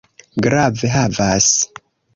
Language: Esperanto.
Grave havas.